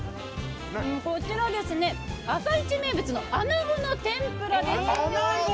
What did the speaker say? こちら、朝市名物の穴子の天ぷらです。